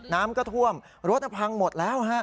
น้ำก็ท่วมรถพังหมดแล้วฮะ